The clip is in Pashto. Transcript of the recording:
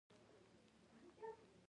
په سيند کې مهيان شته؟